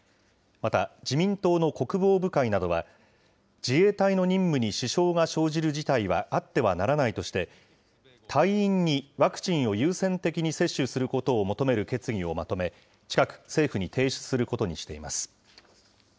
また自民党の国防部会などは、自衛隊の任務に支障が生じる事態はあってはならないとして、隊員にワクチンを優先的に接種することを求める決議をまとめ、近く政府に提出することにしています。